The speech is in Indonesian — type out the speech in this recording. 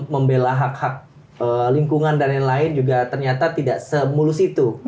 membela hak hak lingkungan dan lain lain juga ternyata tidak semulus itu